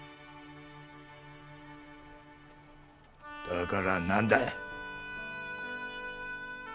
だから何だ？